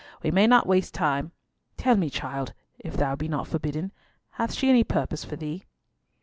We may not waste time. Tell me, child, if thou be not forbidden, hath she any purpose for thee?"